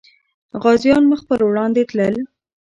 غازيان مخ پر وړاندې تلل.